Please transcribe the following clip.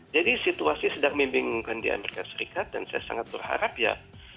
jadi situasi sedang membingungkan di as dan saya sangat berharap ya